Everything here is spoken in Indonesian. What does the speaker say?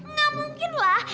nggak mungkin lah